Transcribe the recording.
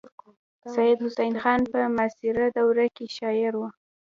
سید حسن خان په معاصره دوره کې شاعر و.